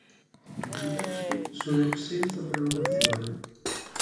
Tutti i posti sono senza prenotazione.